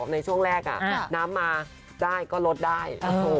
นี่คือนายกสบาพมตลกนะคุณท่าน